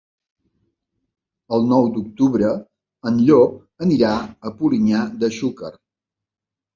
El nou d'octubre en Llop anirà a Polinyà de Xúquer.